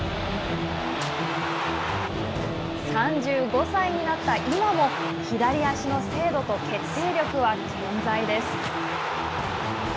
３５歳になった今も左足の精度と決定力は健在です。